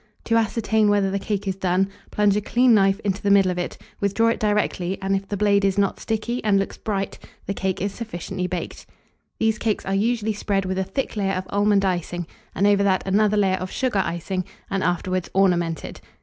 To ascertain whether the cake is done, plunge a clean knife into the middle of it, withdraw it directly, and if the blade is not sticky, and looks bright, the cake is sufficiently baked. These cakes are usually spread with a thick layer of almond icing, and over that another layer of sugar icing, and afterwards ornamented.